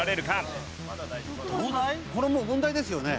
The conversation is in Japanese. これもう問題ですよね？